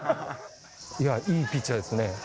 いいピッチャーですね。